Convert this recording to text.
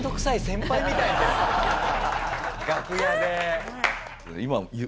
楽屋で。